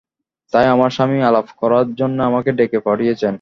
তাই আমার স্বামী আলাপ করবার জন্যে আমাকে ডেকে পাঠিয়েছেন।